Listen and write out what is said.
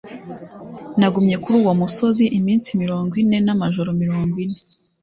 nagumye kuri uwo musozi iminsi mirongo ine n’amajoro mirongo ine